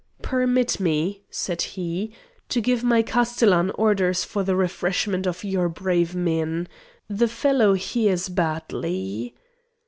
"Permit me," said he, "to give my castellan orders for the refreshment of your brave men. The fellow hears badly."